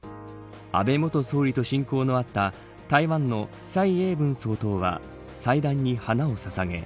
安倍元総理と親交のあった台湾の蔡英文総統は祭壇に花をささげ